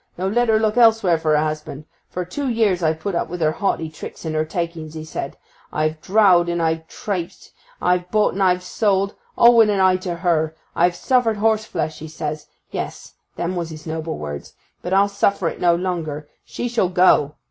No; let her look elsewhere for a husband. For tew years I've put up with her haughty tricks and her takings," 'a said. "I've droudged and I've traipsed, I've bought and I've sold, all wi' an eye to her; I've suffered horseflesh," he says—yes, them was his noble words—"but I'll suffer it no longer. She shall go!"